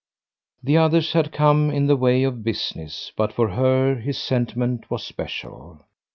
The others had come in the way of business, but for her his sentiment was special.